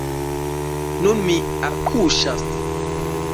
Nun mi akuŝas.